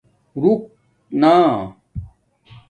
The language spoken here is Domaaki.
رُݣنا